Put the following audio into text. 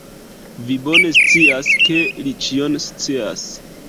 Vi bone scias, ke li ĉion scias.